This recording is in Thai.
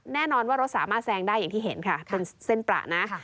แน่นอนว่ารถสามารถแซงได้อย่างที่เห็นค่ะเป็นเส้นประนะ